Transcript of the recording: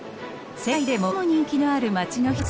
世界で最も人気のある街の一つ